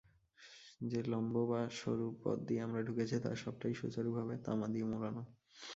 যে লম্ববা সরু পথ দিয়ে আমরা ঢুকেছি তার সবটাই বেশ সুচারুভাবে তামা দিয়ে মোড়ানো।